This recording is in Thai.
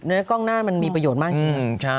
เพราะว่ากล้องหน้ามันมีประโยชน์มากจริงหรือไม่